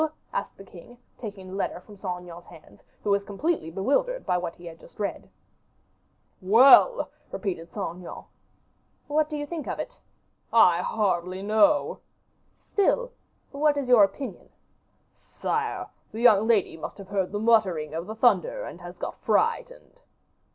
asked the king, taking the letter from Saint Aignan's hands, who was completely bewildered by what he had just read. "Well!" repeated Saint Aignan. "What do you think of it?" "I hardly know." "Still, what is your opinion?" "Sire, the young lady must have heard the muttering of the thunder, and has got frightened."